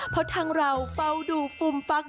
เพราะทางเราเฝ้าดูฟุ่มฟัก